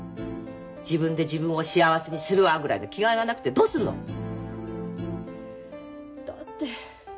自分で自分を幸せにするわ！ぐらいの気概がなくてどうするの！だって。